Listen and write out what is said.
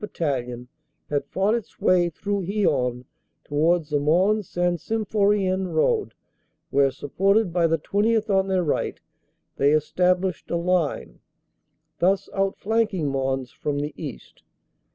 Battalion had fought its way through Hyon towards the Mons St. Sym phorien road, where, supported by the 20th. on their right, they established a line, thus outflanking Mons from the east.